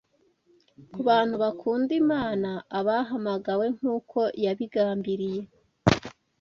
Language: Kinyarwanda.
Ku bantu bakunda Imana abahamagawe nk’uko yabigambiriye